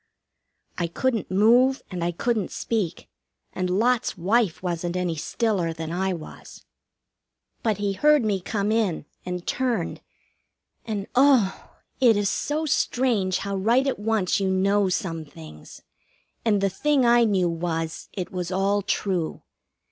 I couldn't move, and I couldn't speak, and Lot's wife wasn't any stiller than I was. But he heard me come in, and turned, and, oh! it is so strange how right at once you know some things. And the thing I knew was it was all true.